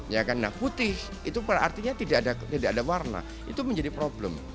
ya kan nah putih itu artinya tidak ada warna itu menjadi problem